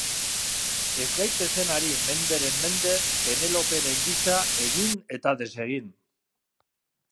Ez gaitezen ari menderen mende Peneloperen gisa, egin eta desegin.